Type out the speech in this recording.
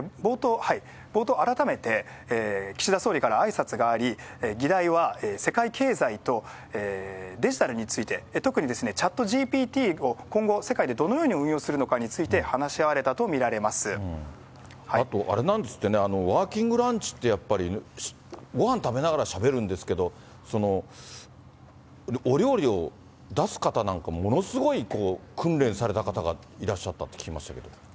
冒頭、改めて岸田総理から挨拶があり、議題は世界経済と、デジタルについて、特にチャットＧＰＴを今後世界でどのように運用するのかについてあとあれなんですってね、ワーキングランチってやっぱり、ごはん食べながらしゃべるんですけど、お料理を出す方なんかも、ものすごい訓練された方がいらっしゃったって聞きましたけど。